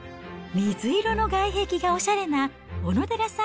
水色の外壁がおしゃれな小野寺さん